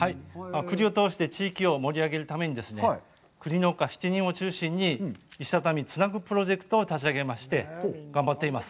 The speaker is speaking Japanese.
栗を通して地域を盛り上げるためにですね、栗農家７人を中心に「石畳つなぐプロジェクト」を立ち上げまして、頑張っています。